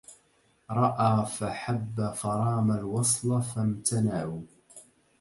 رأى فحب فرام الوصل فامتنعوا